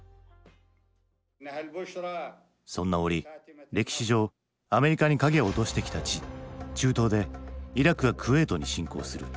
そんな折歴史上アメリカに影を落としてきた地中東でイラクがクウェートに侵攻する。